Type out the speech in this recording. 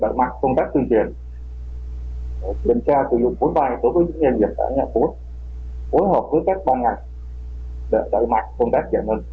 để đặt mặt công tác giải ngân